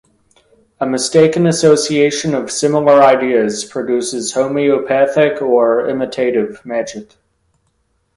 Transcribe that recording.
A mistaken association of similar ideas produces homeopathic or imitative magic.